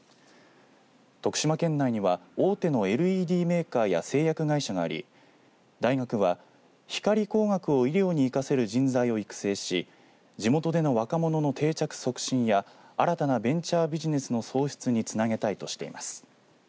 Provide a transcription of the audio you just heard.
徳島県内に大手のＬＥＤメーカーや製薬会社があり大学は光工学を医療に生かせる人材を育成し地元での若者の定着促進や新たなベンチャービジネスの創出につなげたいとしています。